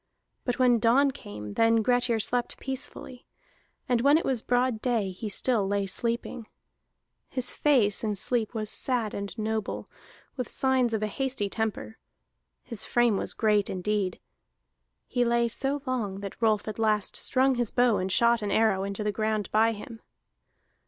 But when dawn came, then Grettir slept peacefully; and when it was broad day he still lay sleeping. His face in sleep was sad and noble, with signs of a hasty temper; his frame was great indeed. He lay so long that Rolf at last strung his bow and shot an arrow into the ground by him.